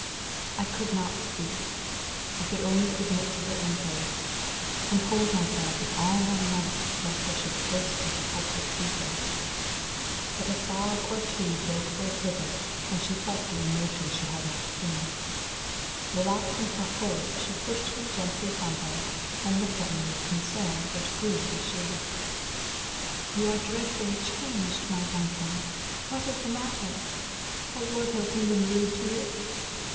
I could not speak. I could only submit to her embrace, and hold myself with all my might, lest I should burst into helpless weeping. But a sob or two broke their prison, and she felt the emotion she had not seen. Relaxing her hold, she pushed me gently from her, and looked at me with concern that grew as she looked. "You are dreadfully changed, my Duncan! What is the matter? Has Lord Hilton been rude to you?